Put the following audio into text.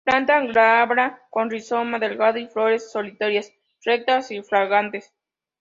Planta glabra con rizoma delgado y flores solitarias rectas y fragantes.